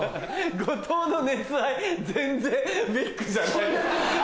後藤の熱愛全然ビッグじゃない。